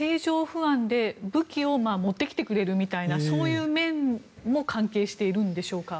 不安で武器を持ってきてくれるみたいなそういう面も関係しているんでしょうか？